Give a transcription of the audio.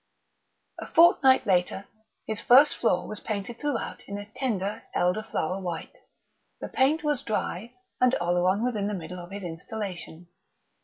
A fortnight later his first floor was painted throughout in a tender, elder flower white, the paint was dry, and Oleron was in the middle of his installation.